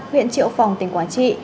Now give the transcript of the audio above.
huyện triệu phòng tỉnh quảng trị